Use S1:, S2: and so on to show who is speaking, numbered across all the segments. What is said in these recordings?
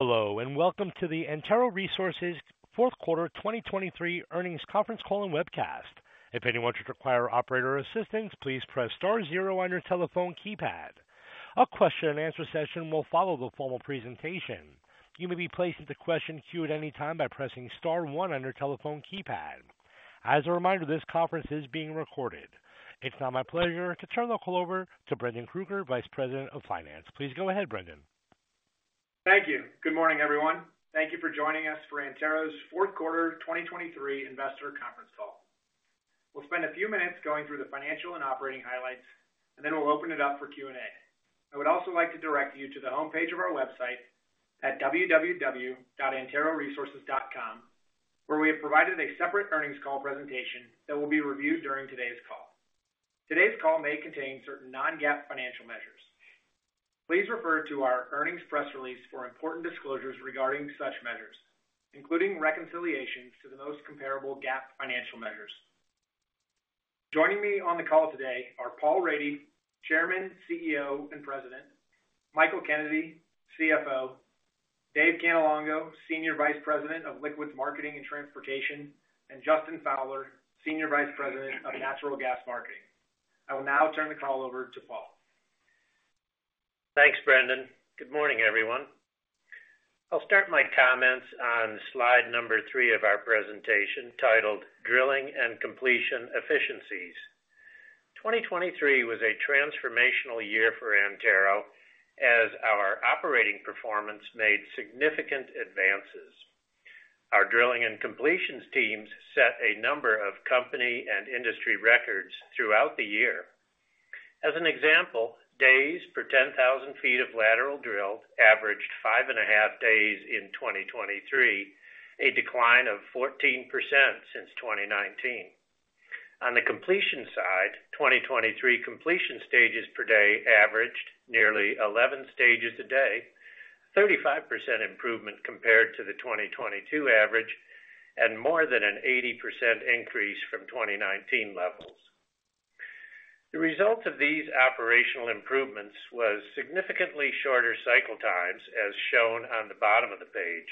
S1: Hello, and welcome to the Antero Resources Fourth Quarter 2023 earnings conference call and webcast. If anyone should require operator assistance, please press star zero on your telephone keypad. A question-and-answer session will follow the formal presentation. You may be placed into question queue at any time by pressing star one on your telephone keypad. As a reminder, this conference is being recorded. It's now my pleasure to turn the call over to Brendan Krueger, Vice President of Finance. Please go ahead, Brendan.
S2: Thank you. Good morning, everyone. Thank you for joining us for Antero's fourth quarter 2023 investor conference call. We'll spend a few minutes going through the financial and operating highlights, and then we'll open it up for Q and A. I would also like to direct you to the homepage of our website at www.anteroresources.com, where we have provided a separate earnings call presentation that will be reviewed during today's call. Today's call may contain certain non-GAAP financial measures. Please refer to our earnings press release for important disclosures regarding such measures, including reconciliations to the most comparable GAAP financial measures. Joining me on the call today are Paul Rady, Chairman, CEO, and President; Michael Kennedy, CFO; Dave Cannelongo, Senior Vice President of Liquids Marketing and Transportation; and Justin Fowler, Senior Vice President of Natural Gas Marketing. I will now turn the call over to Paul.
S3: Thanks, Brendan. Good morning, everyone. I'll start my comments on slide number 3 of our presentation, titled Drilling and Completion Efficiencies. 2023 was a transformational year for Antero as our operating performance made significant advances. Our drilling and completions teams set a number of company and industry records throughout the year. As an example, days per 10,000 ft of lateral drill averaged 5.5 days in 2023, a decline of 14% since 2019. On the completion side, 2023 completion stages per day averaged nearly 11 stages a day, 35% improvement compared to the 2022 average, and more than an 80% increase from 2019 levels. The result of these operational improvements was significantly shorter cycle times, as shown on the bottom of the page.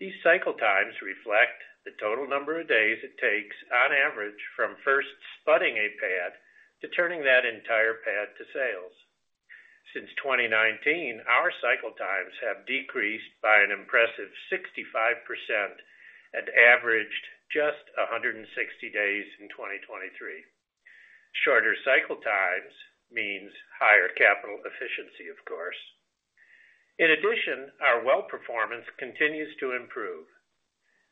S3: These cycle times reflect the total number of days it takes, on average, from first spudding a pad to turning that entire pad to sales. Since 2019, our cycle times have decreased by an impressive 65% and averaged just 160 days in 2023. Shorter cycle times means higher capital efficiency, of course. In addition, our well performance continues to improve.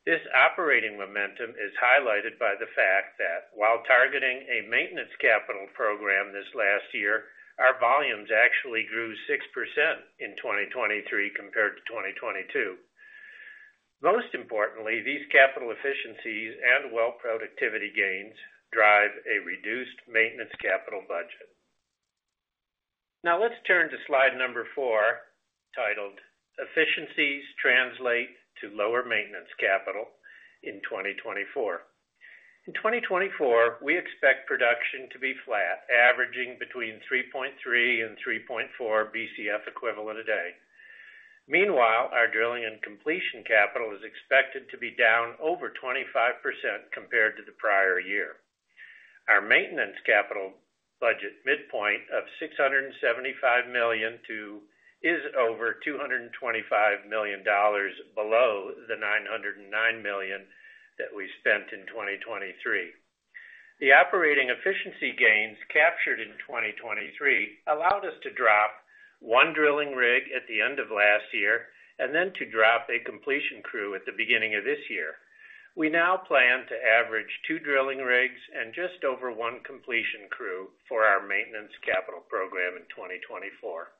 S3: This operating momentum is highlighted by the fact that while targeting a maintenance capital program this last year, our volumes actually grew 6% in 2023 compared to 2022. Most importantly, these capital efficiencies and well productivity gains drive a reduced maintenance capital budget. Now, let's turn to slide number 4, titled Efficiencies Translate to Lower Maintenance Capital in 2024. In 2024, we expect production to be flat, averaging between 3.3 and 3.4 Bcf equivalent a day. Meanwhile, our drilling and completion capital is expected to be down over 25% compared to the prior year. Our maintenance capital budget midpoint of $675 million to-- is over $225 million below the $909 million that we spent in 2023. The operating efficiency gains captured in 2023 allowed us to drop one drilling rig at the end of last year, and then to drop a completion crew at the beginning of this year. We now plan to average two drilling rigs and just over one completion crew for our maintenance capital program in 2024.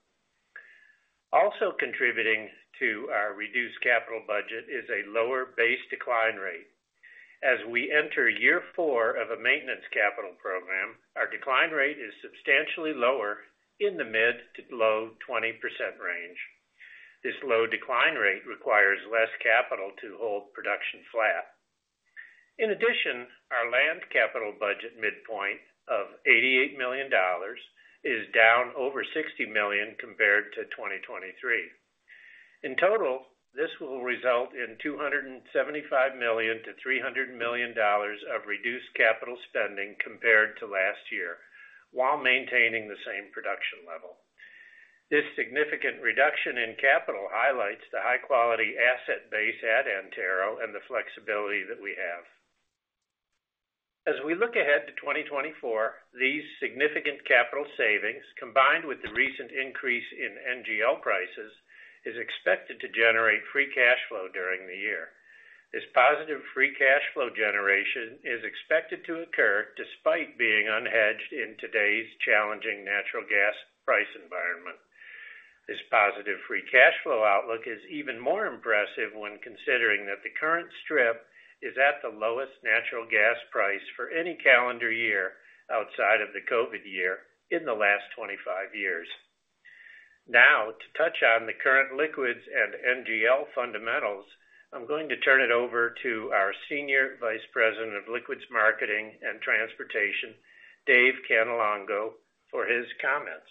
S3: Also contributing to our reduced capital budget is a lower base decline rate. As we enter year 4 of a maintenance capital program, our decline rate is substantially lower in the mid- to low-20% range. This low decline rate requires less capital to hold production flat. In addition, our land capital budget midpoint of $88 million is down over $60 million compared to 2023. In total, this will result in $275 million-$300 million of reduced capital spending compared to last year, while maintaining the same production level. This significant reduction in capital highlights the high-quality asset base at Antero and the flexibility that we have. As we look ahead to 2024, these significant capital savings, combined with the recent increase in NGL prices, is expected to generate free cash flow during the year. This positive free cash flow generation is expected to occur despite being unhedged in today's challenging natural gas price environment. This positive free cash flow outlook is even more impressive when considering that the current strip is at the lowest natural gas price for any calendar year outside of the COVID year in the last 25 years. Now, to touch on the current liquids and NGL fundamentals, I'm going to turn it over to our Senior Vice President of Liquids Marketing and Transportation, Dave Cannelongo, for his comments....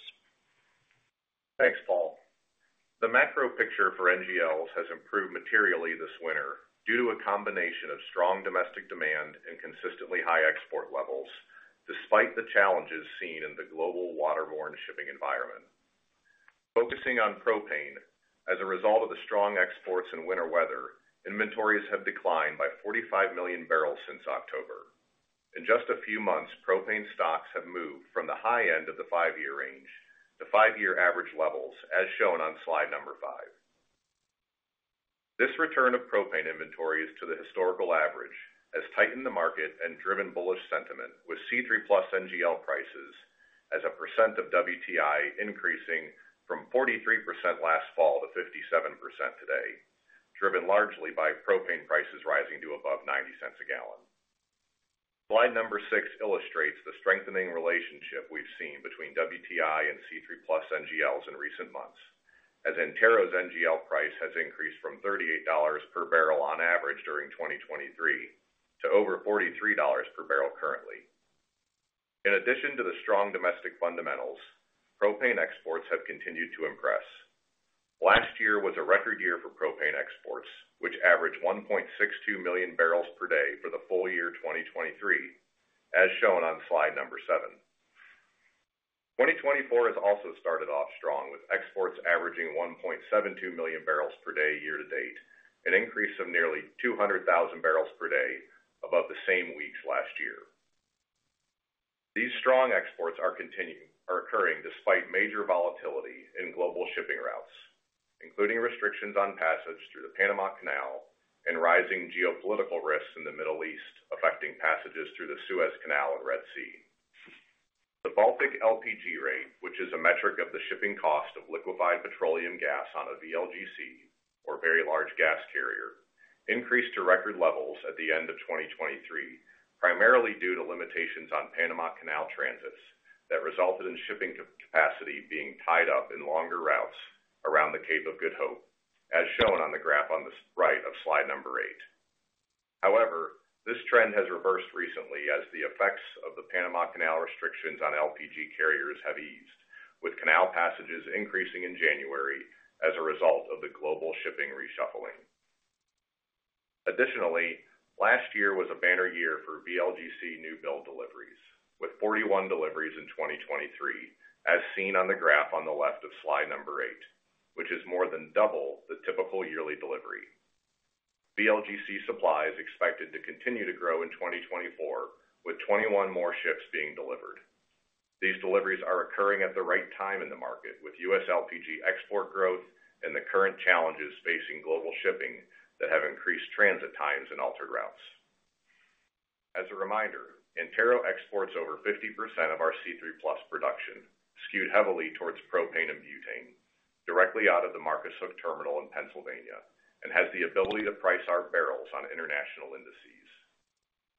S4: Thanks, Paul. The macro picture for NGLs has improved materially this winter due to a combination of strong domestic demand and consistently high export levels, despite the challenges seen in the global waterborne shipping environment. Focusing on propane, as a result of the strong exports and winter weather, inventories have declined by 45 million barrels since October. In just a few months, propane stocks have moved from the high end of the 5-year range to 5-year average levels, as shown on slide number 5. This return of propane inventories to the historical average has tightened the market and driven bullish sentiment with C3+ NGL prices as a percent of WTI increasing from 43% last fall to 57% today, driven largely by propane prices rising to above $0.90 a gallon. Slide 6 illustrates the strengthening relationship we've seen between WTI and C3+ NGLs in recent months, as Antero's NGL price has increased from $38 per barrel on average during 2023 to over $43 per barrel currently. In addition to the strong domestic fundamentals, propane exports have continued to impress. Last year was a record year for propane exports, which averaged 1.62 million barrels per day for the full year 2023, as shown on slide 7. 2024 has also started off strong, with exports averaging 1.72 million barrels per day year to date, an increase of nearly 200,000 barrels per day above the same weeks last year. These strong exports are occurring despite major volatility in global shipping routes, including restrictions on passage through the Panama Canal and rising geopolitical risks in the Middle East, affecting passages through the Suez Canal and Red Sea. The Baltic LPG rate, which is a metric of the shipping cost of liquefied petroleum gas on a VLGC, or very large gas carrier, increased to record levels at the end of 2023, primarily due to limitations on Panama Canal transits that resulted in shipping capacity being tied up in longer routes around the Cape of Good Hope, as shown on the graph on the right of slide number 8. However, this trend has reversed recently as the effects of the Panama Canal restrictions on LPG carriers have eased, with canal passages increasing in January as a result of the global shipping reshuffling. Additionally, last year was a banner year for VLGC new build deliveries, with 41 deliveries in 2023, as seen on the graph on the left of slide 8, which is more than double the typical yearly delivery. VLGC supply is expected to continue to grow in 2024, with 21 more ships being delivered. These deliveries are occurring at the right time in the market, with U.S. LPG export growth and the current challenges facing global shipping that have increased transit times and altered routes. As a reminder, Antero exports over 50% of our C3+ production, skewed heavily towards propane and butane, directly out of the Marcus Hook terminal in Pennsylvania, and has the ability to price our barrels on international indices.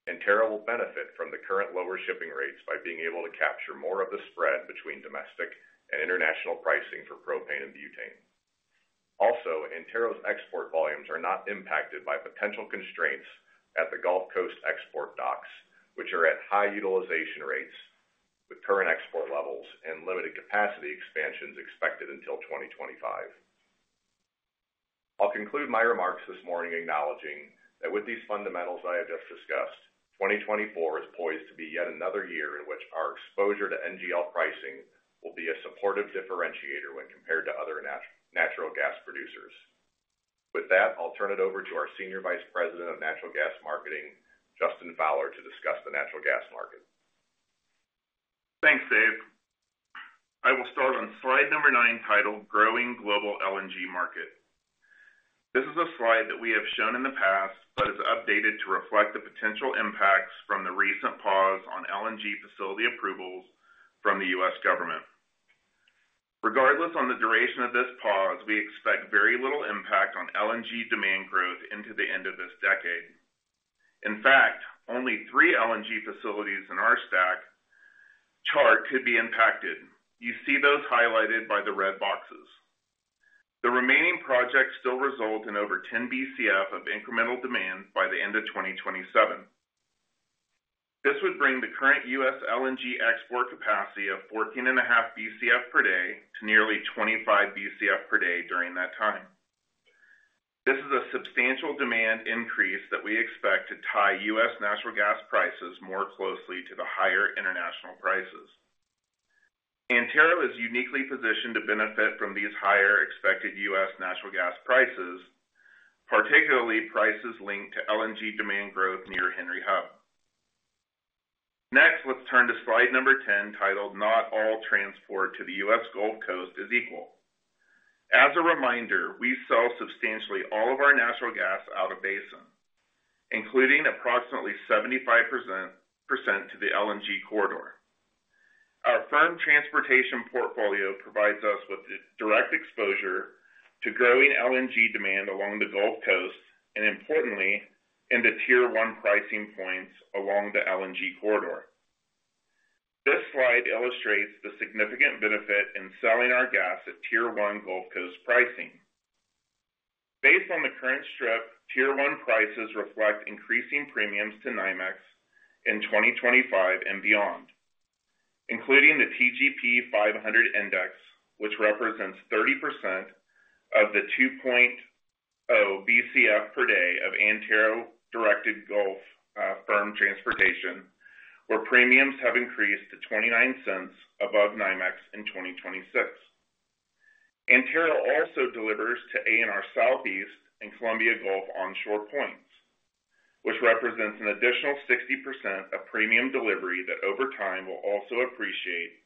S4: Antero will benefit from the current lower shipping rates by being able to capture more of the spread between domestic and international pricing for propane and butane. Also, Antero's export volumes are not impacted by potential constraints at the Gulf Coast export docks, which are at high utilization rates with current export levels and limited capacity expansions expected until 2025. I'll conclude my remarks this morning acknowledging that with these fundamentals I have just discussed, 2024 is poised to be yet another year in which our exposure to NGL pricing will be a supportive differentiator when compared to other natural gas producers. With that, I'll turn it over to our Senior Vice President of Natural Gas Marketing, Justin Fowler, to discuss the natural gas market.
S5: Thanks, Dave. I will start on slide number 9, titled Growing Global LNG Market. This is a slide that we have shown in the past, but is updated to reflect the potential impacts from the recent pause on LNG facility approvals from the U.S. government. Regardless on the duration of this pause, we expect very little impact on LNG demand growth into the end of this decade. In fact, only three LNG facilities in our stack chart could be impacted. You see those highlighted by the red boxes. The remaining projects still result in over 10 Bcf of incremental demand by the end of 2027. This would bring the current U.S. LNG export capacity of 14.5 Bcf per day to nearly 25 Bcf per day during that time. This is a substantial demand increase that we expect to tie U.S. natural gas prices more closely to the higher international prices. Antero is uniquely positioned to benefit from these higher expected U.S. natural gas prices, particularly prices linked to LNG demand growth near Henry Hub. Next, let's turn to slide number 10, titled, Not All Transport to the U.S. Gulf Coast is Equal. As a reminder, we sell substantially all of our natural gas out of basin, including approximately 75% to the LNG corridor. Our firm transportation portfolio provides us with the direct exposure to growing LNG demand along the Gulf Coast, and importantly, in the Tier One pricing points along the LNG corridor. This slide illustrates the significant benefit in selling our gas at Tier One Gulf Coast pricing. Based on the current strip, Tier One prices reflect increasing premiums to NYMEX in 2025 and beyond, including the TGP 500 index, which represents 30% of the 2.0 Bcf per day of Antero-directed Gulf firm transportation, where premiums have increased to $0.29 above NYMEX in 2026. Antero also delivers to ANR Southeast and Colombia Gulf on shore points, which represents an additional 60% of premium delivery that, over time, will also appreciate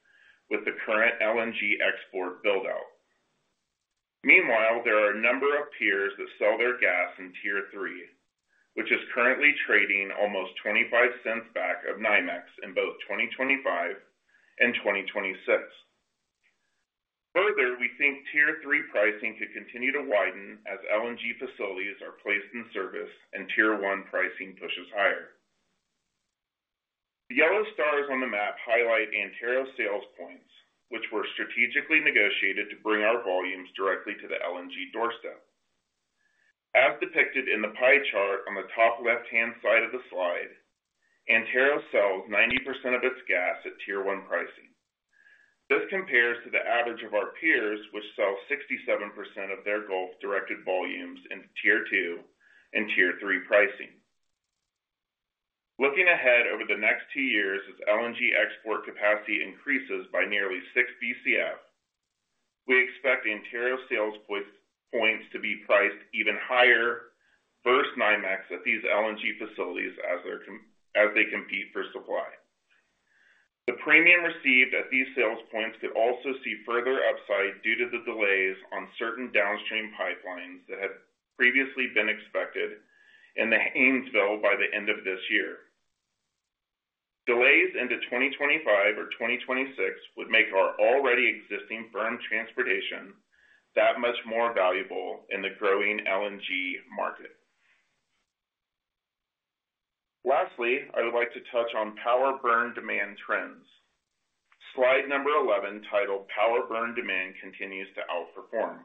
S5: with the current LNG export build-out. Meanwhile, there are a number of peers that sell their gas in Tier Three, which is currently trading almost $0.25 back of NYMEX in both 2025 and 2026. Further, we think Tier Three pricing could continue to widen as LNG facilities are placed in service and Tier One pricing pushes higher. The yellow stars on the map highlight Antero sales points, which were strategically negotiated to bring our volumes directly to the LNG doorstep. As depicted in the pie chart on the top left-hand side of the slide, Antero sells 90% of its gas at Tier One pricing. This compares to the average of our peers, which sell 67% of their Gulf-directed volumes in Tier Two and Tier Three pricing. Looking ahead over the next 2 years, as LNG export capacity increases by nearly 6 Bcf, we expect the Antero sales points to be priced even higher versus NYMEX at these LNG facilities as they compete for supply. The premium received at these sales points could also see further upside due to the delays on certain downstream pipelines that had previously been expected in the Haynesville by the end of this year. Delays into 2025 or 2026 would make our already existing firm transportation that much more valuable in the growing LNG market. Lastly, I would like to touch on power burn demand trends. Slide 11, titled "Power Burn Demand Continues to Outperform."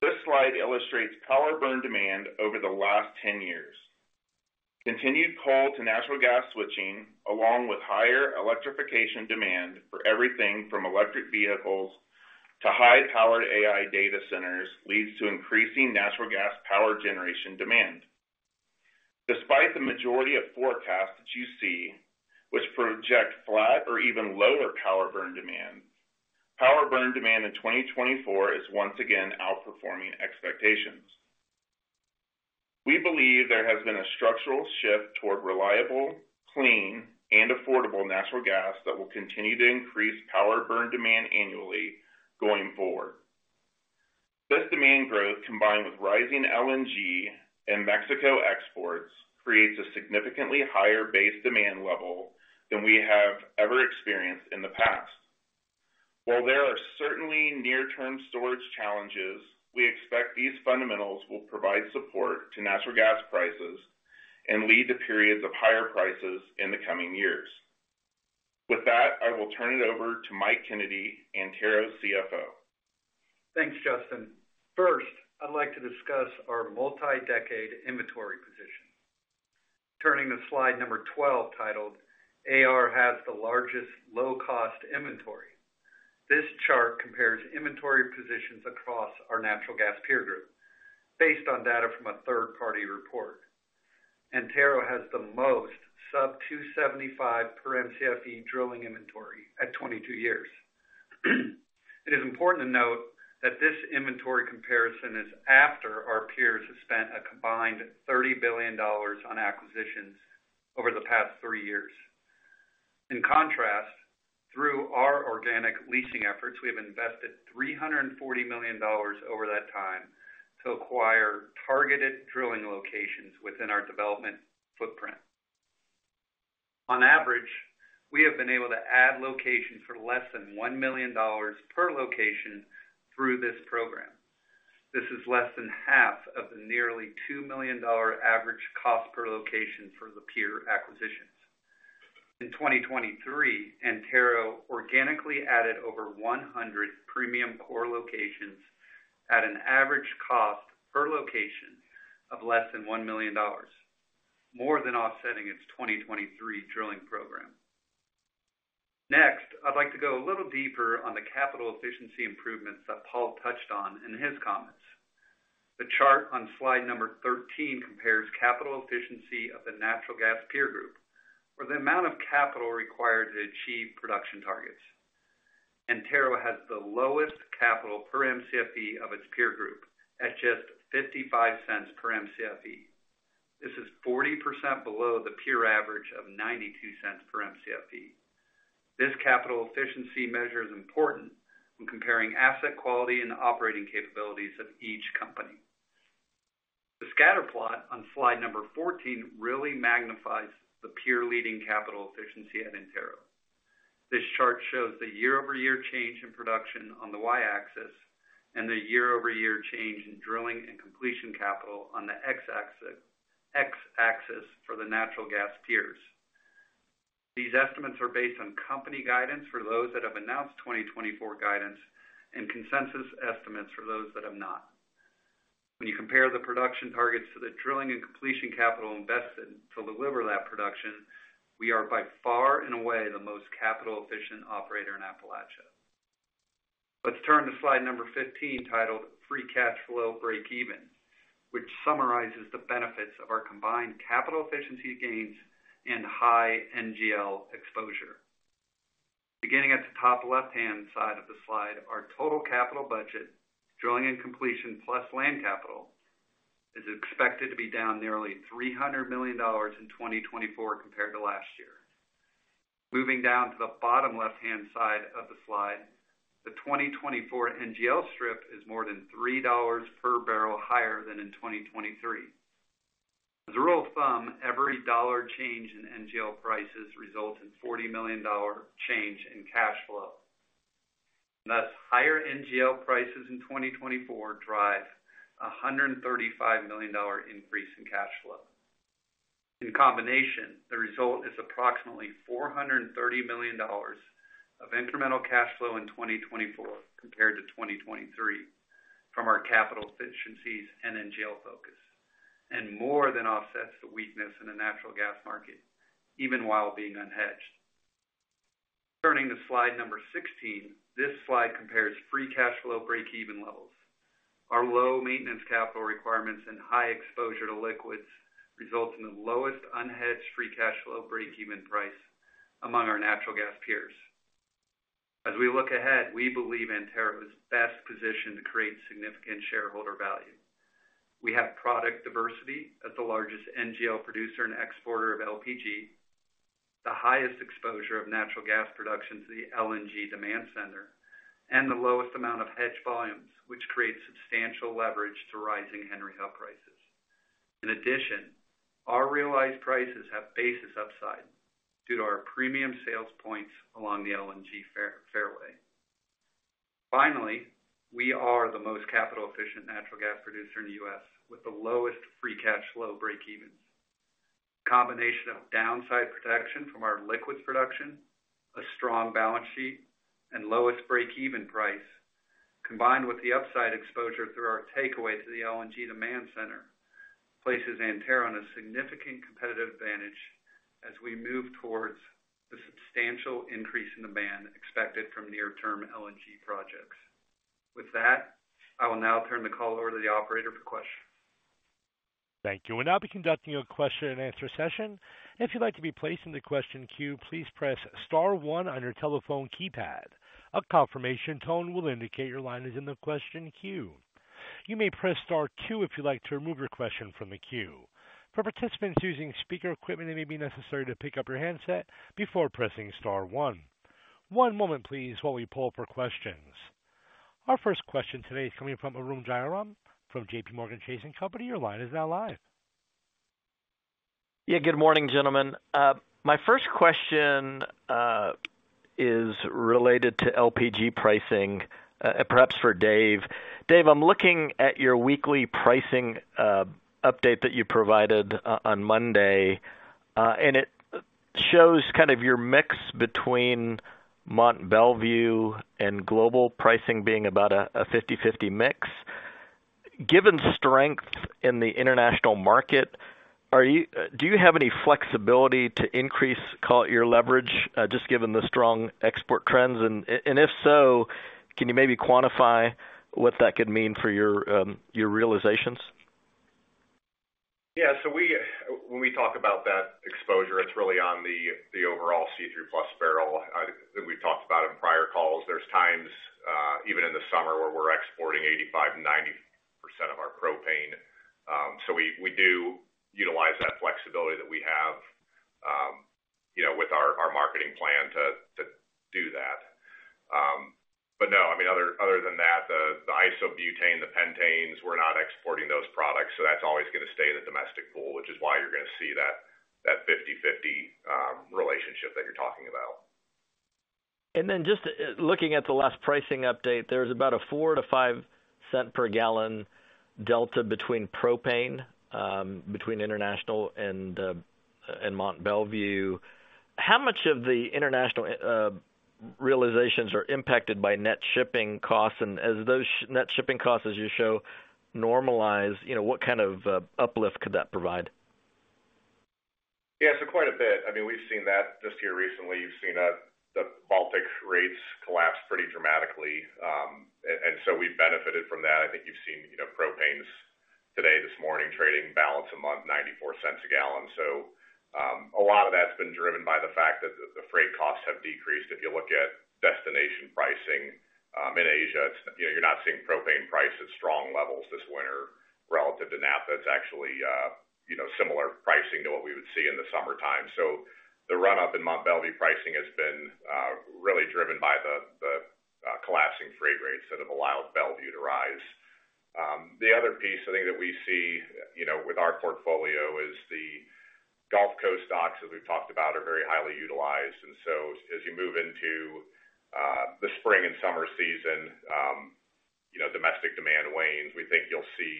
S5: This slide illustrates power burn demand over the last 10 years. Continued coal to natural gas switching, along with higher electrification demand for everything from electric vehicles to high-powered AI data centers, leads to increasing natural gas power generation demand. Despite the majority of forecasts that you see, which project flat or even lower power burn demand, power burn demand in 2024 is once again outperforming expectations. We believe there has been a structural shift toward reliable, clean, and affordable natural gas that will continue to increase power burn demand annually going forward. This demand growth, combined with rising LNG and Mexico exports, creates a significantly higher base demand level than we have ever experienced in the past. While there are certainly near-term storage challenges, we expect these fundamentals will provide support to natural gas prices and lead to periods of higher prices in the coming years. With that, I will turn it over to Mike Kennedy, Antero's CFO.
S6: Thanks, Justin. First, I'd like to discuss our multi-decade inventory position. Turning to slide 12, titled, "AR Has the Largest Low-Cost Inventory," this chart compares inventory positions across our natural gas peer group, based on data from a third-party report. Antero has the most sub $2.75 per Mcfe drilling inventory at 22 years. It is important to note that this inventory comparison is after our peers have spent a combined $30 billion on acquisitions over the past 3 years. In contrast, through our organic leasing efforts, we have invested $340 million over that time to acquire targeted drilling locations within our development footprint. On average, we have been able to add locations for less than $1 million per location through this program. This is less than half of the nearly $2 million average cost per location for the peer acquisitions. In 2023, Antero organically added over 100 premium core locations at an average cost per location of less than $1 million, more than offsetting its 2023 drilling program. Next, I'd like to go a little deeper on the capital efficiency improvements that Paul touched on in his comments. The chart on slide number 13 compares capital efficiency of the natural gas peer group, or the amount of capital required to achieve production targets. Antero has the lowest capital per Mcfe of its peer group at just $0.55 per Mcfe. This is 40% below the peer average of $0.92 per Mcfe. This capital efficiency measure is important when comparing asset quality and operating capabilities of each company. The scatter plot on slide number 14 really magnifies the peer-leading capital efficiency at Antero. This chart shows the year-over-year change in production on the y-axis, and the year-over-year change in drilling and completion capital on the x-axis, x-axis for the natural gas peers. These estimates are based on company guidance for those that have announced 2024 guidance and consensus estimates for those that have not. When you compare the production targets to the drilling and completion capital invested to deliver that production, we are by far and away the most capital-efficient operator in Appalachia. Let's turn to slide number 15, titled Free Cash Flow Breakeven, which summarizes the benefits of our combined capital efficiency gains and high NGL exposure. Beginning at the top left-hand side of the slide, our total capital budget, drilling and completion, plus land capital, is expected to be down nearly $300 million in 2024 compared to last year. Moving down to the bottom left-hand side of the slide, the 2024 NGL strip is more than $3 per barrel higher than in 2023. As a rule of thumb, every dollar change in NGL prices results in $40 million change in cash flow. Thus, higher NGL prices in 2024 drive a $135 million increase in cash flow. In combination, the result is approximately $430 million of incremental cash flow in 2024 compared to 2023 from our capital efficiencies and NGL focus, and more than offsets the weakness in the natural gas market, even while being unhedged. Turning to slide 16. This slide compares free cash flow breakeven levels. Our low maintenance capital requirements and high exposure to liquids results in the lowest unhedged free cash flow breakeven price among our natural gas peers. As we look ahead, we believe Antero is best positioned to create significant shareholder value. We have product diversity as the largest NGL producer and exporter of LPG, the highest exposure of natural gas production to the LNG demand center, and the lowest amount of hedged volumes, which creates substantial leverage to rising Henry Hub prices. In addition, our realized prices have basis upside due to our premium sales points along the LNG fairway. Finally, we are the most capital-efficient natural gas producer in the U.S., with the lowest free cash flow breakevens. Combination of downside protection from our liquids production, a strong balance sheet, and lowest breakeven price, combined with the upside exposure through our takeaway to the LNG demand center, places Antero on a significant competitive advantage as we move towards the substantial increase in demand expected from near-term LNG projects. With that, I will now turn the call over to the operator for questions.
S1: Thank you. We'll now be conducting a question-and-answer session. If you'd like to be placed in the question queue, please press star one on your telephone keypad. A confirmation tone will indicate your line is in the question queue. You may press star two if you'd like to remove your question from the queue. For participants using speaker equipment, it may be necessary to pick up your handset before pressing star one. One moment please, while we pull for questions. Our first question today is coming from Arun Jayaram from JPMorgan Chase & Co. Your line is now live.
S7: Yeah, good morning, gentlemen. My first question is related to LPG pricing, perhaps for Dave. Dave, I'm looking at your weekly pricing update that you provided on Monday, and it shows kind of your mix between Mont Belvieu and global pricing being about a 50/50 mix. Given strength in the international market, do you have any flexibility to increase, call it, your leverage, just given the strong export trends? And if so, can you maybe quantify what that could mean for your realizations?
S4: Yeah, so when we talk about that exposure, it's really on the overall C3+ barrel that we've talked about in prior calls. There's times even in the summer where we're exporting 85%-90% of our propane. So we do utilize that flexibility that we have, you know, with our marketing plan to do that. But no, I mean, other than that, the isobutane, the pentanes, we're not exporting those products, so that's always gonna stay in the domestic pool, which is why you're gonna see that 50/50 relationship that you're talking about.
S7: And then just looking at the last pricing update, there's about a $0.04-$0.05 per gallon delta between propane international and Mont Belvieu. How much of the international realizations are impacted by net shipping costs? And as those net shipping costs, as you show, normalize, you know, what kind of uplift could that provide?
S4: Yeah, so quite a bit. I mean, we've seen that just here recently. You've seen the Baltic rates collapse pretty dramatically, and so we've benefited from that. I think you've seen, you know, propane today, this morning, trading balance a month, $0.94 a gallon. So, a lot of that's been driven by the fact that the freight costs have decreased. If you look at destination pricing in Asia, it's, you know, you're not seeing propane price at strong levels this winter relative to normal. It's actually, you know, similar pricing to what we would see in the summertime. So the run-up in Mont Belvieu pricing has been really driven by the collapsing freight rates that have allowed Belvieu to rise. The other piece, I think, that we see, you know, with our portfolio is the Gulf Coast docks, as we've talked about, are very highly utilized, and so as you move into the spring and summer season, you know, domestic demand wanes, we think you'll see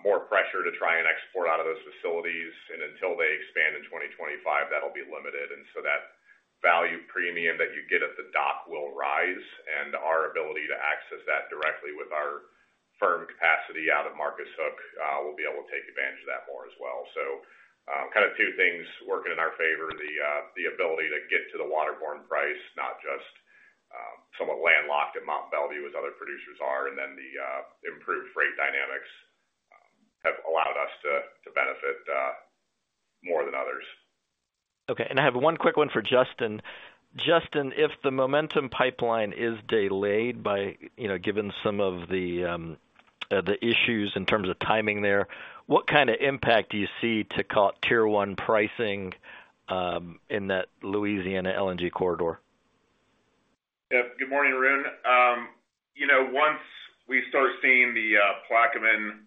S4: more pressure to try and export out of those facilities, and until they expand in 2025, that'll be limited. And so that value premium that you get at the dock will rise, and our ability to access that directly with our firm capacity out of Marcus Hook, we'll be able to take advantage of that more as well. So, kind of two things working in our favor: the, the ability to get to the waterborne price, not just somewhat landlocked at Mont Belvieu, as other producers are. The improved freight dynamics have allowed us to benefit more than others.
S7: Okay. I have one quick one for Justin. Justin, if the Momentum Pipeline is delayed by, you know, given some of the, the issues in terms of timing there, what kind of impact do you see to tier one pricing in that Louisiana LNG corridor?
S5: Yep. Good morning, Arun. You know, once we start seeing the Plaquemines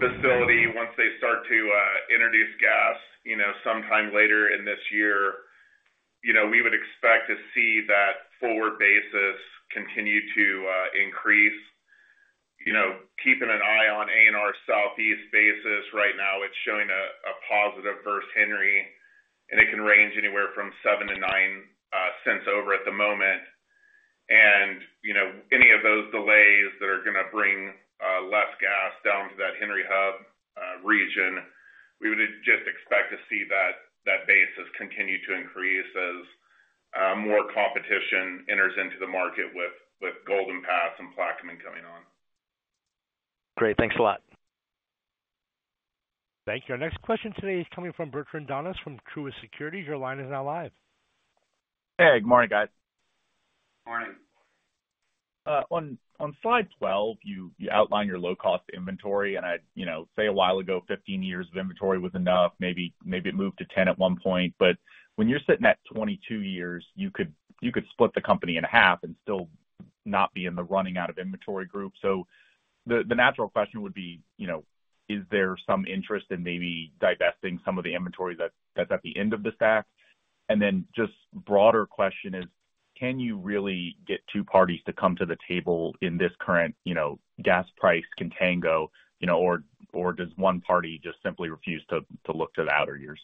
S5: facility, once they start to introduce gas, you know, sometime later in this year, you know, we would expect to see that forward basis continue to increase. You know, keeping an eye on ANR Southeast basis right now, it's showing a positive versus Henry Hub, and it can range anywhere from $0.07-$0.09 over at the moment. You know, any of those delays that are gonna bring less gas down to that Henry Hub region, we would just expect to see that basis continue to increase as more competition enters into the market with Golden Pass and Plaquemines coming on.
S7: Great. Thanks a lot.
S1: Thank you. Our next question today is coming from Bertrand Donnes from Truist Securities. Your line is now live.
S8: Hey, good morning, guys.
S4: Morning.
S8: On slide 12, you outline your low-cost inventory, and, you know, I say a while ago, 15 years of inventory was enough. Maybe it moved to 10 at one point, but when you're sitting at 22 years, you could split the company in half and still not be in the running out of inventory group. So the natural question would be, you know, is there some interest in maybe divesting some of the inventory that's at the end of the stack? And then just broader question is, can you really get two parties to come to the table in this current, you know, gas price contango, you know, or does one party just simply refuse to look to the outer years?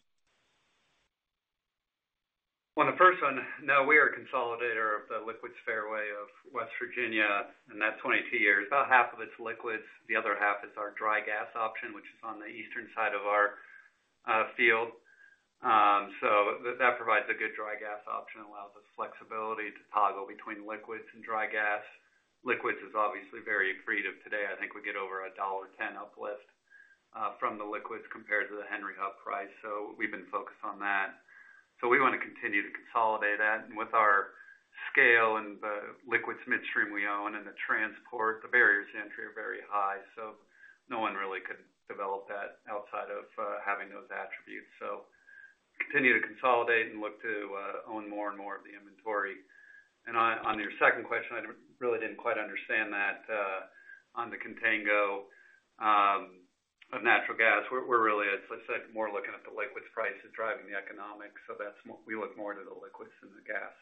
S6: On the first one, no, we are a consolidator of the liquids fairway of West Virginia, and that's 22 years. About half of it's liquids, the other half is our dry gas option, which is on the eastern side of our field. So that provides a good dry gas option, allows us flexibility to toggle between liquids and dry gas. Liquids is obviously very accretive today. I think we get over $1.10 uplift from the liquids compared to the Henry Hub price, so we've been focused on that. So we want to continue to consolidate that. And with our scale and the liquids midstream we own and the transport, the barriers to entry are very high, so no one really could develop that outside of having those attributes. So continue to consolidate and look to own more and more of the inventory. On your second question, I really didn't quite understand that on the contango of natural gas. We're really, as I said, more looking at the liquids price is driving the economics, so that's more, we look more to the liquids than the gas.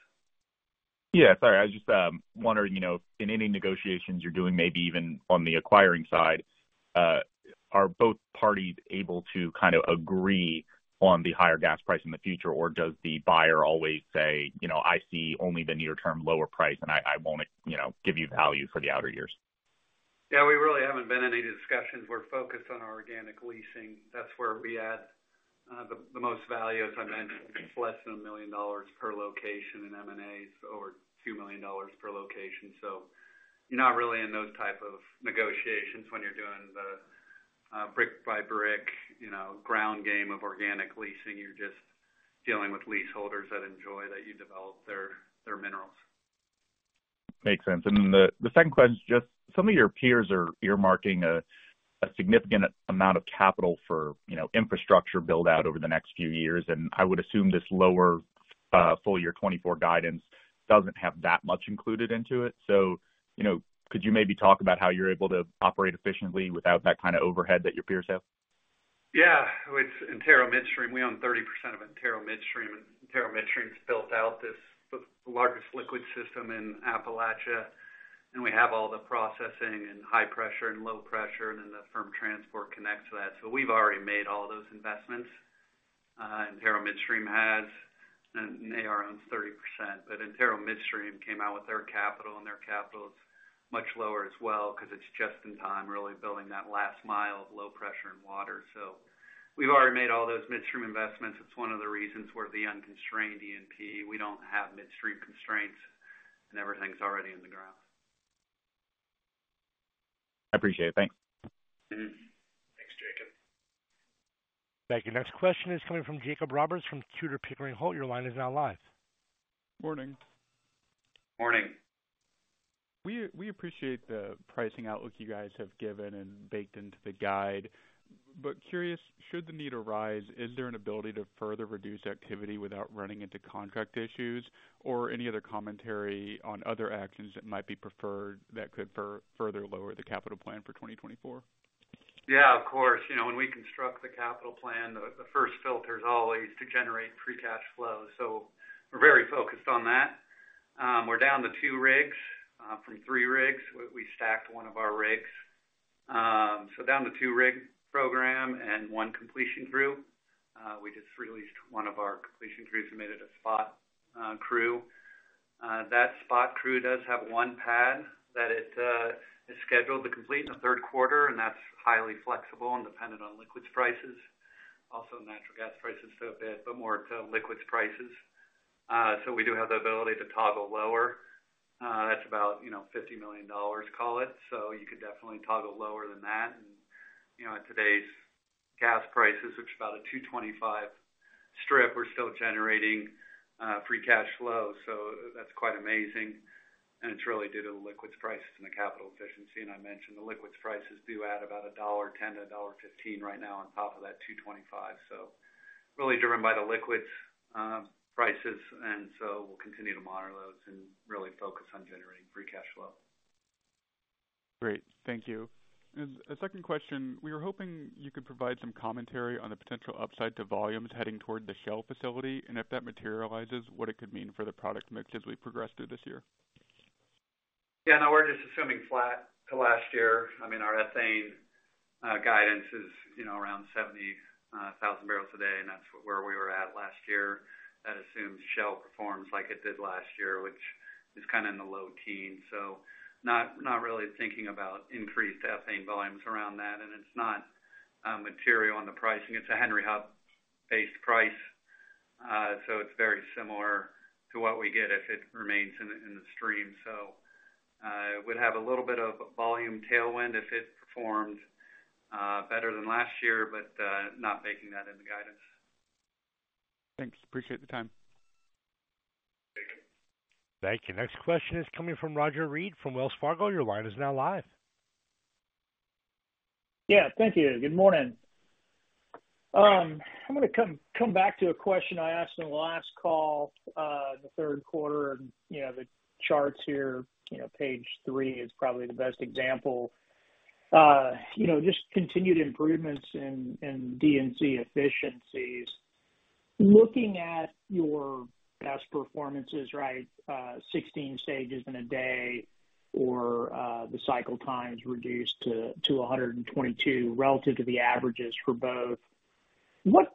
S8: Yeah, sorry. I was just wondering, you know, in any negotiations you're doing, maybe even on the acquiring side, are both parties able to kind of agree on the higher gas price in the future? Or does the buyer always say, "You know, I see only the near-term lower price, and I won't, you know, give you value for the outer years?
S6: Yeah, we really haven't been in any discussions. We're focused on our organic leasing. That's where we add the most value. As I mentioned, it's less than $1 million per location in M&As or $2 million per location. So you're not really in those type of negotiations when you're doing the brick by brick, you know, ground game of organic leasing. You're just dealing with leaseholders that enjoy that you develop their minerals.
S8: Makes sense. And then the second question is just some of your peers are earmarking a significant amount of capital for, you know, infrastructure build-out over the next few years, and I would assume this lower full year 2024 guidance doesn't have that much included into it. So, you know, could you maybe talk about how you're able to operate efficiently without that kind of overhead that your peers have?
S6: Yeah. With Antero Midstream, we own 30% of Antero Midstream. Antero Midstream's built out this, the largest liquid system in Appalachia, and we have all the processing and high pressure and low pressure, and then the firm transport connects to that. So we've already made all those investments. Antero Midstream has, and AR owns 30%. But Antero Midstream came out with their capital, and their capital is much lower as well because it's just in time, really building that last mile of low pressure and water. So we've already made all those midstream investments. It's one of the reasons we're the unconstrained E&P. We don't have midstream constraints, and everything's already in the ground.
S8: I appreciate it. Thanks.
S6: Mm-hmm.
S4: Thanks, Jacob.
S1: Thank you. Next question is coming from Jacob Roberts from Tudor, Pickering, Holt. Your line is now live.
S9: Morning.
S6: Morning.
S9: We appreciate the pricing outlook you guys have given and baked into the guide. But curious, should the need arise, is there an ability to further reduce activity without running into contract issues? Or any other commentary on other actions that might be preferred that could further lower the capital plan for 2024?...
S6: Yeah, of course. You know, when we construct the capital plan, the first filter is always to generate free cash flow. So we're very focused on that. We're down to two rigs from three rigs. We stacked one of our rigs. So down to two rig program and one completion crew. We just released one of our completion crews and made it a spot crew. That spot crew does have one pad that it is scheduled to complete in the third quarter, and that's highly flexible and dependent on liquids prices. Also, natural gas prices a bit, but more to liquids prices. So we do have the ability to toggle lower. That's about, you know, $50 million, call it. So you could definitely toggle lower than that. You know, at today's gas prices, which is about a $2.25 strip, we're still generating free cash flow. So that's quite amazing, and it's really due to the liquids prices and the capital efficiency. And I mentioned the liquids prices do add about a $1.10-$1.15 right now on top of that $2.25. So really driven by the liquids prices, and so we'll continue to monitor those and really focus on generating free cash flow.
S9: Great. Thank you. A second question, we were hoping you could provide some commentary on the potential upside to volumes heading toward the Shell facility, and if that materializes, what it could mean for the product mix as we progress through this year?
S6: Yeah, no, we're just assuming flat to last year. I mean, our ethane guidance is, you know, around 70,000 barrels a day, and that's where we were at last year. That assumes Shell performs like it did last year, which is kind of in the low teens, so not really thinking about increased ethane volumes around that. And it's not material on the pricing. It's a Henry Hub-based price, so it's very similar to what we get if it remains in the stream. So, we'd have a little bit of volume tailwind if it performs better than last year, but not baking that in the guidance.
S9: Thanks. Appreciate the time.
S6: Thank you.
S1: Thank you. Next question is coming from Roger Read, from Wells Fargo. Your line is now live.
S10: Yeah, thank you. Good morning. I'm going to come back to a question I asked on the last call, the third quarter. And, you know, the charts here, you know, page three is probably the best example. You know, just continued improvements in D&C efficiencies. Looking at your best performances, right, 16 stages in a day or the cycle times reduced to 122 relative to the averages for both. What,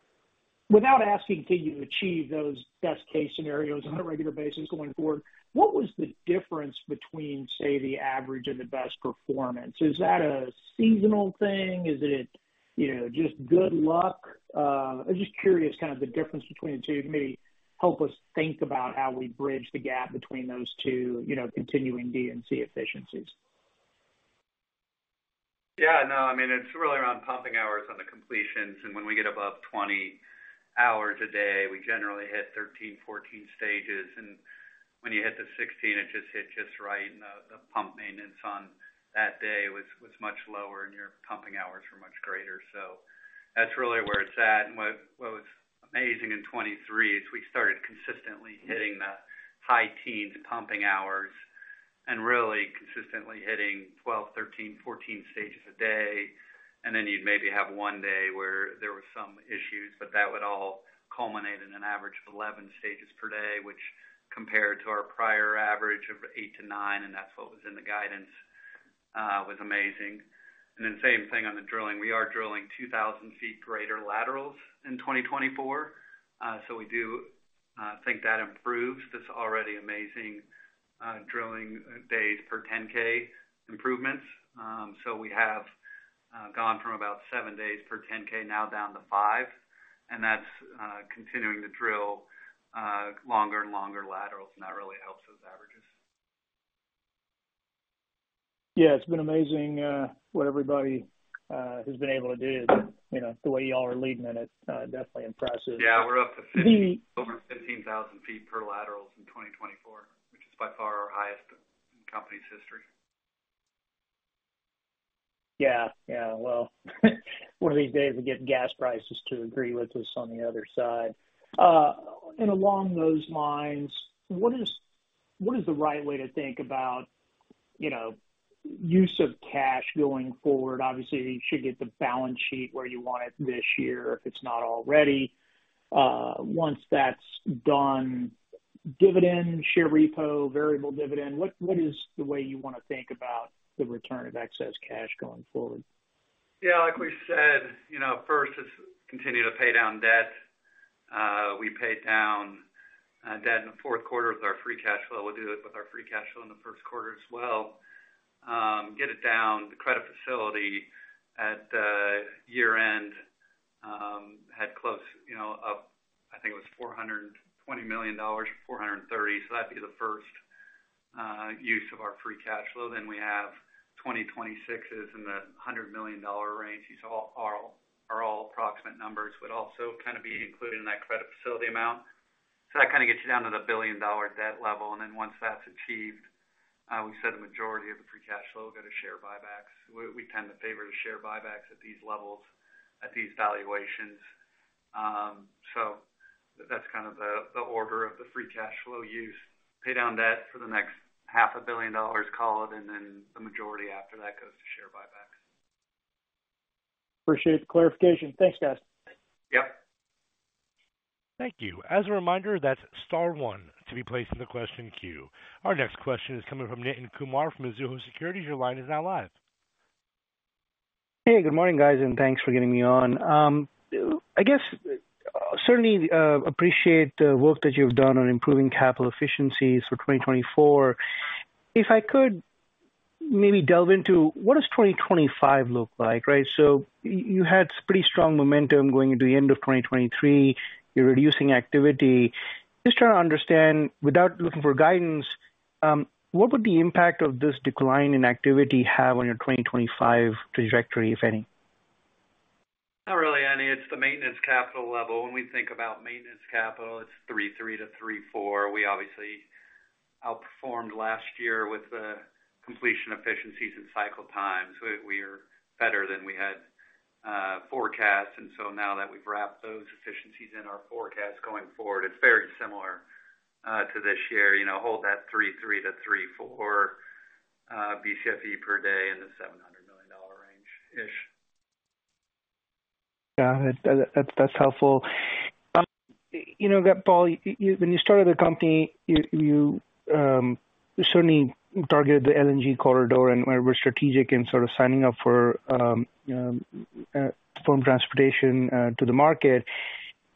S10: without asking, can you achieve those best case scenarios on a regular basis going forward? What was the difference between, say, the average and the best performance? Is that a seasonal thing? Is it, you know, just good luck? I'm just curious, kind of the difference between the two, maybe help us think about how we bridge the gap between those two, you know, continuing D&C efficiencies.
S6: Yeah, no, I mean, it's really around pumping hours on the completions, and when we get above 20 hours a day, we generally hit 13, 14 stages, and when you hit the 16, it just hit just right, and the, the pump maintenance on that day was, was much lower and your pumping hours were much greater. So that's really where it's at. And what, what was amazing in 2023 is we started consistently hitting the high teens pumping hours and really consistently hitting 12, 13, 14 stages a day. And then you'd maybe have one day where there were some issues, but that would all culminate in an average of 11 stages per day, which compared to our prior average of eight to nine, and that's what was in the guidance, was amazing. And then same thing on the drilling. We are drilling 2,000 ft greater laterals in 2024. So we do think that improves this already amazing drilling days per 10K improvements. So we have gone from about seven days per 10K now down to five, and that's continuing to drill longer and longer laterals, and that really helps those averages.
S10: Yeah, it's been amazing, what everybody has been able to do. You know, the way you all are leading in it, definitely impressive.
S6: Yeah, we're up to 15, over 15,000 ft per laterals in 2024, which is by far our highest in the company's history.
S10: Yeah. Yeah, well, one of these days we get gas prices to agree with us on the other side. And along those lines, what is the right way to think about, you know, use of cash going forward? Obviously, you should get the balance sheet where you want it this year, if it's not already. Once that's done, dividend, share repo, variable dividend, what is the way you want to think about the return of excess cash going forward?
S6: Yeah, like we said, you know, first is continue to pay down debt. We paid down debt in the fourth quarter with our free cash flow. We'll do it with our free cash flow in the first quarter as well. Get it down. The credit facility at the year-end had close, you know, up, I think it was $420 million or $430 million. So that'd be the first use of our free cash flow. Then we have 2026s in the $100 million range. These are all approximate numbers, would also kind of be included in that credit facility amount. So that kind of gets you down to the $1 billion debt level. And then once that's achieved, we said the majority of the free cash flow will go to share buybacks. We tend to favor the share buybacks at these levels, at these valuations. So that's kind of the order of the free cash flow use. Pay down debt for the next $500 million, call it, and then the majority after that goes to share buybacks.
S10: Appreciate the clarification. Thanks, guys.
S6: Yep.
S1: Thank you. As a reminder, that's star one to be placed in the question queue. Our next question is coming from Nitin Kumar from Mizuho Securities. Your line is now live.
S11: Hey, good morning, guys, and thanks for getting me on. I guess, certainly, appreciate the work that you've done on improving capital efficiencies for 2024. If I could maybe delve into what does 2025 look like, right? So you had pretty strong momentum going into the end of 2023. You're reducing activity. Just trying to understand, without looking for guidance, what would the impact of this decline in activity have on your 2025 trajectory, if any?
S6: Not really any. It's the maintenance capital level. When we think about maintenance capital, it's 33-34. We obviously outperformed last year with the completion efficiencies and cycle times. We are better than we had forecast, and so now that we've wrapped those efficiencies in our forecast going forward, it's very similar to this year. You know, hold that 33-34 Bcfe per day in the $700 million range-ish.
S11: Yeah, that's helpful. You know that, Paul, when you started the company, you certainly targeted the LNG corridor and were strategic in sort of signing up for firm transportation to the market.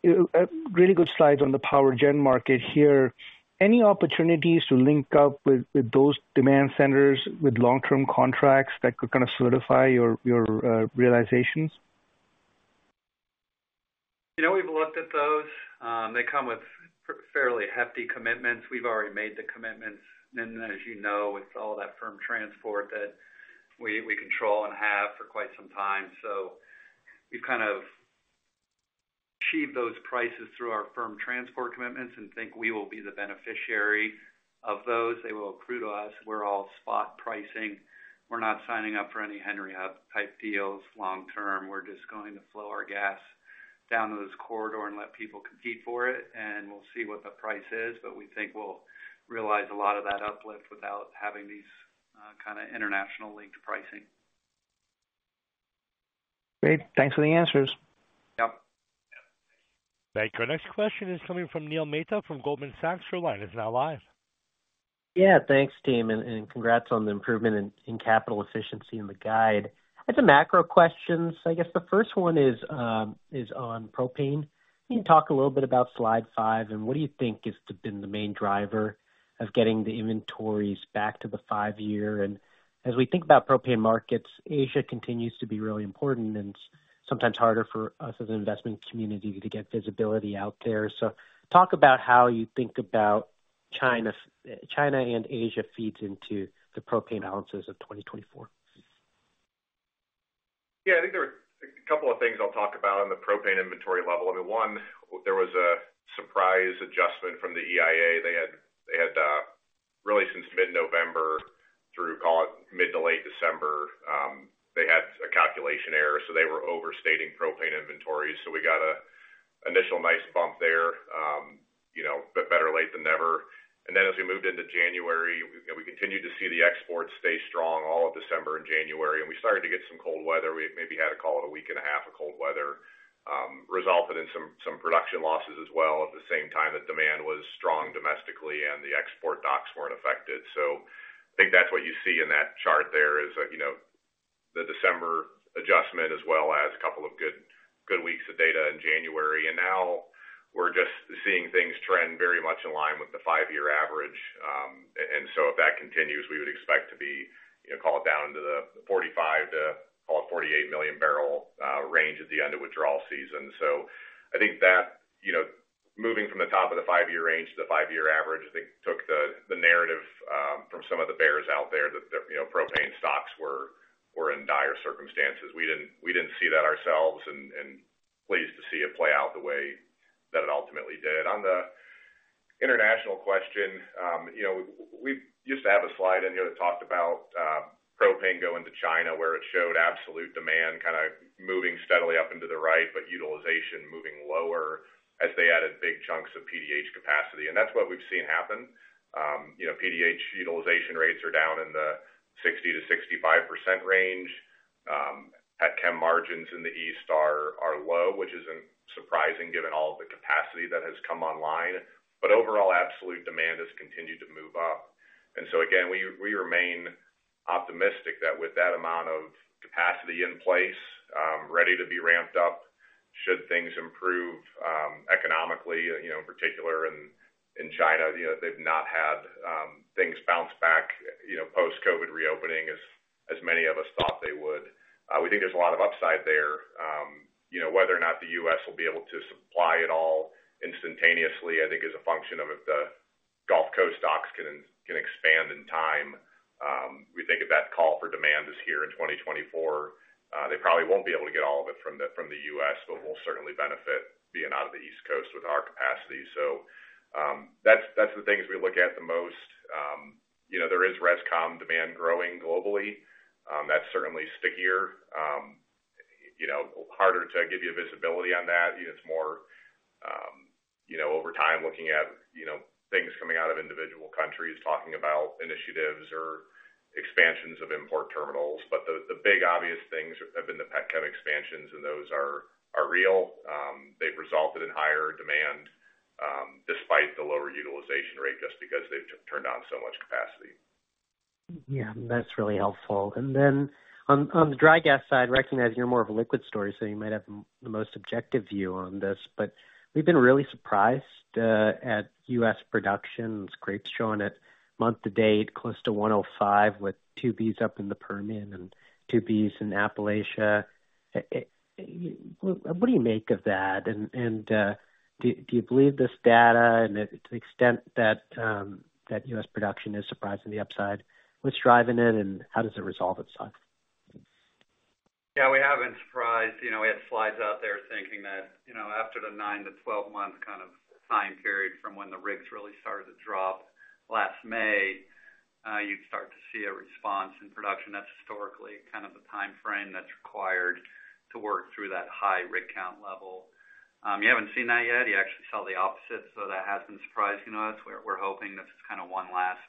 S11: Really good slides on the power gen market here. Any opportunities to link up with those demand centers with long-term contracts that could kind of solidify your realizations?
S6: You know, we've looked at those. They come with fairly hefty commitments. We've already made the commitments. Then, as you know, with all that firm transport that we control and have for quite some time. So we've kind of achieved those prices through our firm transport commitments and think we will be the beneficiary of those. They will accrue to us. We're all spot pricing. We're not signing up for any Henry Hub type deals long term. We're just going to flow our gas down to this corridor and let people compete for it, and we'll see what the price is, but we think we'll realize a lot of that uplift without having these kind of international linked pricing.
S11: Great. Thanks for the answers.
S6: Yep.
S1: Thank you. Our next question is coming from Neil Mehta from Goldman Sachs. Your line is now live.
S12: Yeah, thanks, team, and, and congrats on the improvement in, in capital efficiency and the guide. I have some macro questions. I guess the first one is, is on propane. Can you talk a little bit about slide five, and what do you think has been the main driver of getting the inventories back to the five-year? And as we think about propane markets, Asia continues to be really important and sometimes harder for us as an investment community to get visibility out there. So talk about how you think about China—China and Asia feeds into the propane ounces of 2024.
S4: Yeah, I think there are a couple of things I'll talk about on the propane inventory level. I mean, one, there was a surprise adjustment from the EIA. They had, they had really since mid-November through, call it, mid to late December, they had a calculation error, so they were overstating propane inventories. So we got a initial nice bump there, you know, but better late than never. And then as we moved into January, we continued to see the exports stay strong all of December and January, and we started to get some cold weather. We maybe had to call it a week and a half of cold weather, resulted in some, some production losses as well. At the same time, the demand was strong domestically and the export docks weren't affected. So I think that's what you see in that chart there is, you know, the December adjustment as well as a couple of good weeks of data in January. And now we're just seeing things trend very much in line with the five-year average. And so if that continues, we would expect to be, you know, call it down to the 45-48 million barrel range at the end of withdrawal season. So I think that, you know, moving from the top of the five-year range to the five-year average, I think, took the narrative from some of the bears out there that, you know, propane stocks were in dire circumstances. We didn't see that ourselves and pleased to see it play out the way that it ultimately did. On the international question, you know, we used to have a slide in here that talked about propane going to China, where it showed absolute demand kind of moving steadily up into the right, but utilization moving lower as they added big chunks of PDH capacity. That's what we've seen happen. You know, PDH utilization rates are down in the 60%-65% range. Ethane chem margins in the East are, are low, which isn't surprising goven all the capacity that has come online, but overall, absolute demand has continued to move up. And so again, we remain optimistic that with that amount of capacity in place, ready to be ramped up, should things improve, economically, you know, in particular in China, you know, they've not had things bounce back, you know, post-COVID reopening as many of us thought they would. We think there's a lot of upside there. You know, whether or not the US will be able to supply it all instantaneously, I think is a function of if the Gulf Coast docks can expand in time. We think if that call for demand is here in 2024, they probably won't be able to get all of it from the US, but we'll certainly benefit being out of the East Coast with our capacity. So, that's the things we look at the most.... You know, there is rescom demand growing globally. That's certainly stickier. You know, harder to give you a visibility on that. It's more, you know, over time, looking at, you know, things coming out of individual countries, talking about initiatives or expansions of import terminals. But the big obvious things have been the petchem expansions, and those are real. They've resulted in higher demand, despite the lower utilization rate, just because they've turned on so much capacity.
S12: Yeah, that's really helpful. And then on the dry gas side, recognizing you're more of a liquid story, so you might have the most objective view on this, but we've been really surprised at U.S. production. Scrapes showing it month to date, close to 105, with 2 Bcf up in the Permian and 2 Bcf in Appalachia. What do you make of that? And do you believe this data? And to the extent that U.S. production is surprising the upside, what's driving it, and how does it resolve itself?
S6: Yeah, we haven't been surprised. You know, we had slides out there thinking that, you know, after the nine-12 months kind of time period from when the rigs really started to drop last May, you'd start to see a response in production. That's historically kind of the timeframe that's required to work through that high rig count level. You haven't seen that yet. You actually saw the opposite, so that has been surprising to us. We're hoping this is kinda one last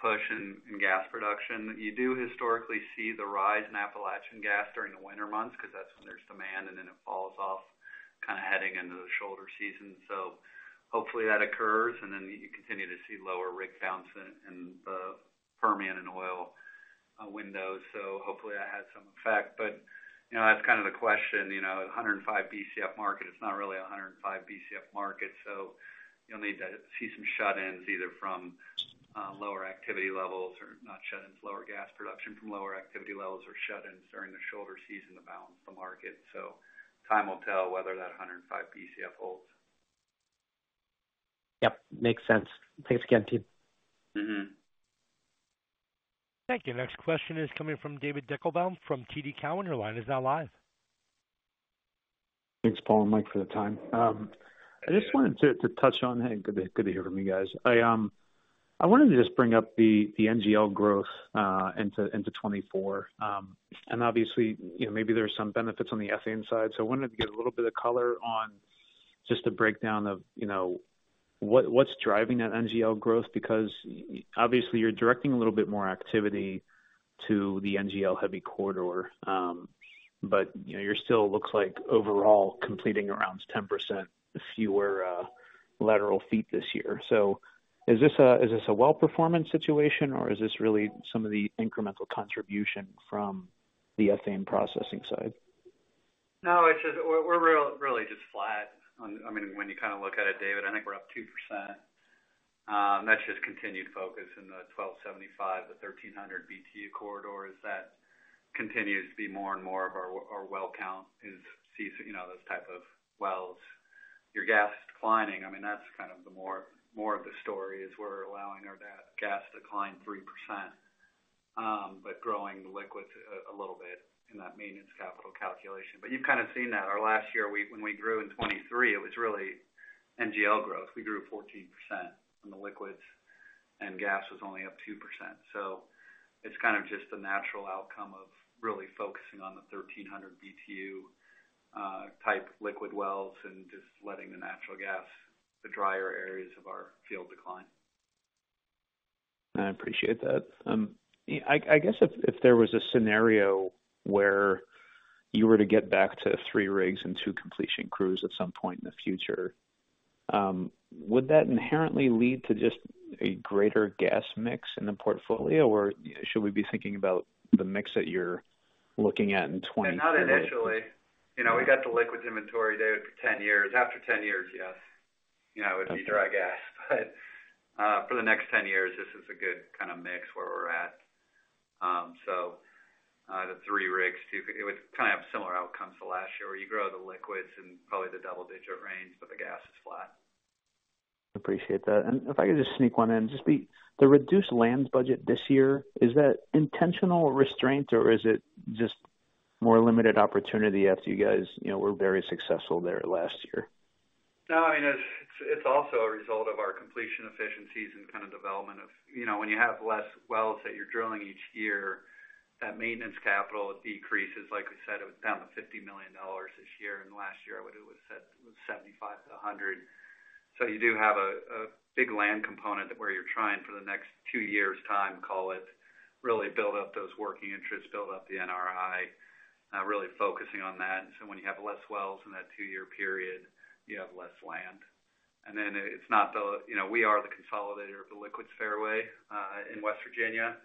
S6: push in gas production. You do historically see the rise in Appalachian gas during the winter months, because that's when there's demand, and then it falls off, kinda heading into the shoulder season. So hopefully that occurs, and then you continue to see lower rig counts in the Permian and oil windows. So hopefully that has some effect. But, you know, that's kind of the question. You know, a 105 Bcf market, it's not really a 105 Bcf market, so you'll need to see some shut-ins, either from, lower activity levels or not shut-ins, lower gas production from lower activity levels or shut-ins during the shoulder season to balance the market. So time will tell whether that 105 Bcf holds.
S12: Yep, makes sense. Thanks again, team.
S6: Mm-hmm.
S1: Thank you. Next question is coming from David Deckelbaum from TD Cowen. Your line is now live.
S13: Thanks, Paul and Mike, for the time. I just wanted to touch on... Hey, good to hear from you guys. I wanted to just bring up the NGL growth into 2024. And obviously, you know, maybe there are some benefits on the ethane side. So I wanted to get a little bit of color on just a breakdown of, you know, what, what's driving that NGL growth, because obviously you're directing a little bit more activity to the NGL heavy corridor. But, you know, you're still looks like overall completing around 10% fewer lateral feet this year. So is this a well performance situation, or is this really some of the incremental contribution from the ethane processing side?
S6: No, it's just we're really just flat on. I mean, when you kinda look at it, David, I think we're up 2%. That's just continued focus in the 1,275 to 1,300 BTU corridors. That continues to be more and more of our well count, you know, those type of wells. Your gas is declining. I mean, that's kind of the more of the story, is we're allowing our gas to decline 3%, but growing the liquids a little bit in that maintenance capital calculation. But you've kind of seen that. Our last year, when we grew in 2023, it was really NGL growth. We grew 14% from the liquids, and gas was only up 2%. So it's kind of just a natural outcome of really focusing on the 1,300 BTU type liquid wells and just letting the natural gas, the drier areas of our field decline.
S13: I appreciate that. I guess if there was a scenario where you were to get back to three rigs and two completion crews at some point in the future, would that inherently lead to just a greater gas mix in the portfolio? Or should we be thinking about the mix that you're looking at in 20.
S6: Not initially. You know, we got the liquids inventory, David, for 10 years. After 10 years, yes. You know, it'd be dry gas. But for the next 10 years, this is a good kinda mix where we're at. So, three rigs, two, it would kinda have similar outcomes to last year, where you grow the liquids and probably the double-digit range, but the gas is flat.
S13: Appreciate that. And if I could just sneak one in, just the reduced lands budget this year, is that intentional restraint, or is it just more limited opportunity after you guys, you know, were very successful there last year?
S6: No, I mean, it's also a result of our completion efficiencies and kind of development of... You know, when you have less wells that you're drilling each year, that maintenance capital decreases. Like I said, it was down to $50 million this year, and last year it was at $75 million-$100 million. So you do have a big land component where you're trying for the next two years' time, call it, really build up those working interests, build up the NRI, really focusing on that. So when you have less wells in that two-year period, you have less land. And then it's not the-- you know, we are the consolidator of the liquids fairway in West Virginia.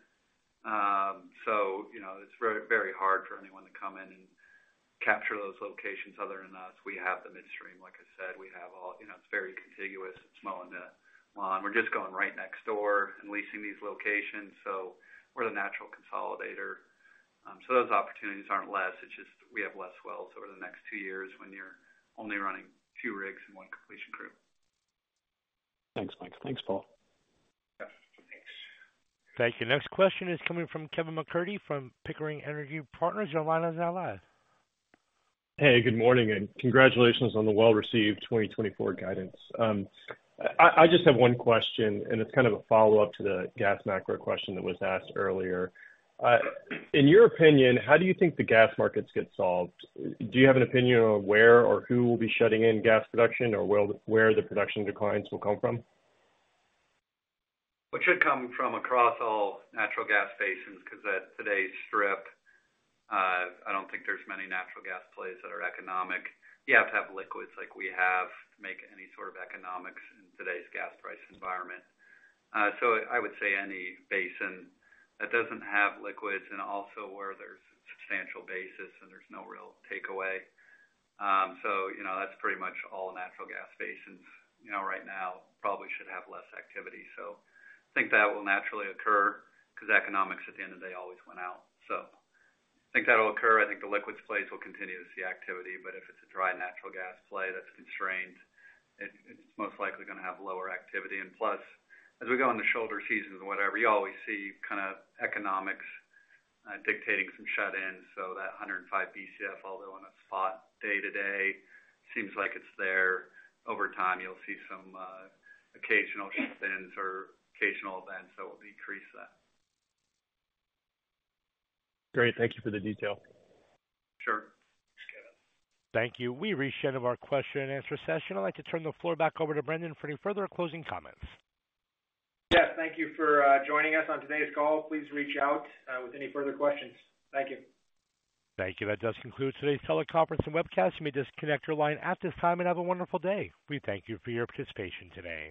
S6: So, you know, it's very, very hard for anyone to come in and capture those locations other than us. We have the midstream. Like I said, we have all... You know, it's very contiguous. It's mowing the lawn. We're just going right next door and leasing these locations, so we're the natural consolidator. So those opportunities aren't less. It's just we have less wells over the next two years when you're only running two rigs and one completion crew.
S13: Thanks, Mike. Thanks, Paul.
S6: Yep, thanks.
S1: Thank you. Next question is coming from Kevin MacCurdy from Pickering Energy Partners. Your line is now live.
S14: Hey, good morning, and congratulations on the well-received 2024 guidance. I just have one question, and it's kind of a follow-up to the gas macro question that was asked earlier. In your opinion, how do you think the gas markets get solved? Do you have an opinion on where or who will be shutting in gas production or where the production declines will come from?
S6: Well, it should come from across all natural gas basins, because at today's strip, I don't think there's many natural gas plays that are economic. You have to have liquids like we have to make any sort of economics in today's gas price environment. So I would say any basin that doesn't have liquids and also where there's substantial basis and there's no real takeaway. So you know, that's pretty much all natural gas basins, you know, right now, probably should have less activity. So I think that will naturally occur, because economics, at the end of the day, always win out. So I think that'll occur. I think the liquids plays will continue to see activity, but if it's a dry natural gas play that's constrained, it, it's most likely gonna have lower activity. And plus, as we go in the shoulder seasons and whatever, you always see kinda economics dictating some shut-ins. So that 105 Bcf, although on a spot day-to-day, seems like it's there, over time, you'll see some occasional shut-ins or occasional events that will decrease that.
S14: Great. Thank you for the detail.
S6: Sure.
S4: Thanks, Kevin.
S1: Thank you. We've reached the end of our question and answer session. I'd like to turn the floor back over to Brendan for any further closing comments.
S2: Yeah, thank you for joining us on today's call. Please reach out with any further questions. Thank you.
S1: Thank you. That does conclude today's teleconference and webcast. You may disconnect your line at this time, and have a wonderful day. We thank you for your participation today.